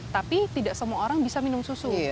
tapi tidak semua orang bisa minum susu